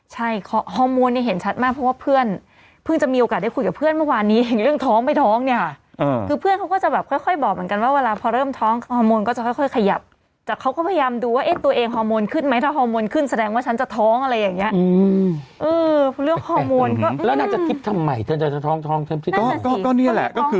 ใช่ฮอร์โมนเนี่ยเห็นชัดมากเพราะว่าเพื่อนเพิ่งจะมีโอกาสได้คุยกับเพื่อนเมื่อวานนี้เรื่องท้องไม่ท้องเนี่ยค่ะคือเพื่อนเขาก็จะแบบค่อยบอกเหมือนกันว่าเวลาพอเริ่มท้องฮอร์โมนก็จะค่อยขยับแต่เขาก็พยายามดูว่าเอ๊ะตัวเองฮอร์โมนขึ้นไหมถ้าฮอร์โมนขึ้นแสดงว่าฉันจะท้องอะไรอย่างนี้